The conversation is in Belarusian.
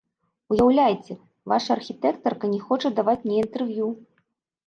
Уяўляеце, ваша архітэктарка не хоча даваць мне інтэрв'ю.